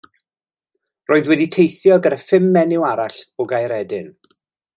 Roedd wedi teithio gyda phum menyw arall o Gaeredin.